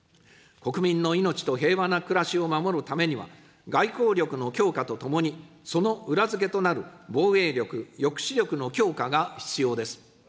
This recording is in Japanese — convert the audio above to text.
国民の命と平和な暮らしを守るためには、外交力の強化とともに、その裏付けとなる防衛力、抑止力の強化が必要です。